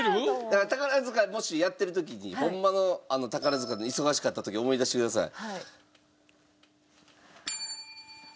もしやってる時にホンマの宝塚の忙しかった時思い出してください。